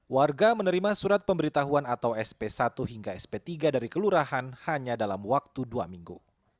warga menerima surat pemberitahuan atau sp satu hingga sp tiga dari kelurahan hanya dalam waktu dua minggu